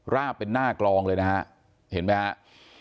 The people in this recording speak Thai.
ราบเป็นหน้ากลองเลยนะฮะเห็นไหมครับ